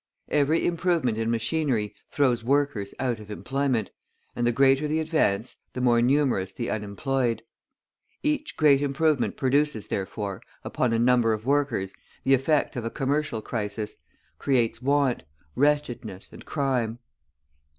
Every improvement in machinery throws workers out of employment, and the greater the advance, the more numerous the unemployed; each great improvement produces, therefore, upon a number of workers the effect of a commercial crisis, creates want, wretchedness, and crime.